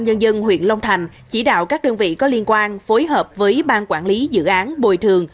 nhân dân huyện long thành chỉ đạo các đơn vị có liên quan phối hợp với ban quản lý dự án bồi thường